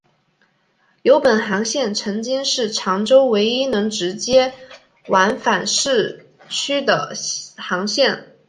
由于本航线曾经是长洲唯一能直接往返市区的航线。